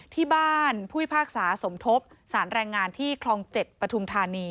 ที่บ้านผู้พิพากษาสมทบสารแรงงานที่คลอง๗ปฐุมธานี